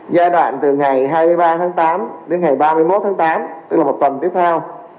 giai đoạn từ ngày hai mươi ba tháng tám đến ngày ba mươi một tháng tám tức là một tuần tiếp theo